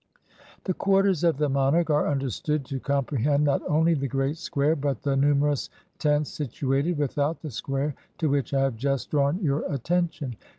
The quarters of the monarch are understood to com prehend not only the great square, but the numerous tents situated without the square to which I have just drawn your attention.